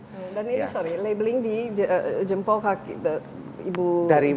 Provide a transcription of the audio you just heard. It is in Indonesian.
sorry labeling di jempol ibu jari kaki